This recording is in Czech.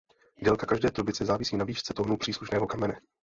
Délka každé trubice závisí na výšce tónu příslušného kamene.